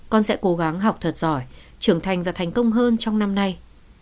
con sẽ cố gắng học thật giỏi trưởng thành và thành công hơn trong năm nay